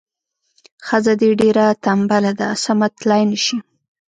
ښځه دې ډیره تنبله ده سمه تلای نه شي.